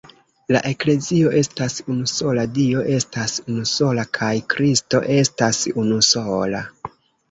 La Eklezio estas unusola, Dio estas unusola kaj Kristo estas unusola.